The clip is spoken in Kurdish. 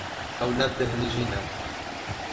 Ew nebêhnijîne.